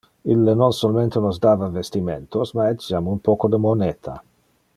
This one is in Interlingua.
Ille non solmente nos dava vestimentos, ma etiam un poco de moneta.